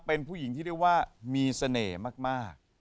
เป็นผู้หญิงที่เรียกว่ามีเสน่ห์มาก